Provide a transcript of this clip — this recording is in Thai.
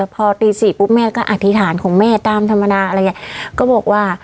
พอตี๔ปุ๊บแม่ก็อธิษฐานหากของแม่เวลาตามธรรมดา